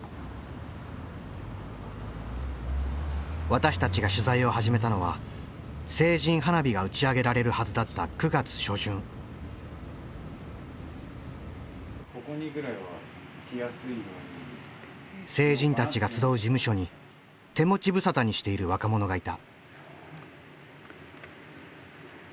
私たちが取材を始めたのは成人花火が打ち上げられるはずだった成人たちが集う事務所に手持ち無沙汰にしている若者がいた。